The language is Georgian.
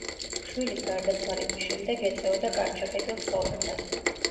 შვილის გარდაცვალების შემდეგ ეწეოდა კარჩაკეტილ ცხოვრებას.